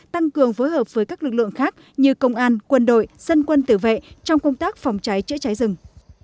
tăng cường phối hợp với các lực lượng khác như công an quân đội dân quân tử vệ trong công tác phòng cháy chữa cháy rừng